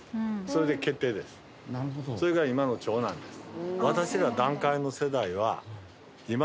それが今の長男です